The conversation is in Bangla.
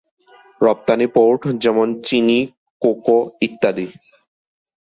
রপ্তানি পোর্ট যেমন চিনি, কোকো ইত্যাদি।